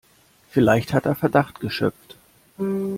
Vielleicht hat er Verdacht geschöpft.